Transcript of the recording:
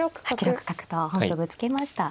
８六角と本譜ぶつけました。